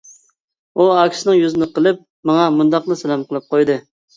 ئۇ ئاكىسىنىڭ يۈزىنى قىلىپ ماڭا مۇنداقلا سالام قىلىپ قويدى.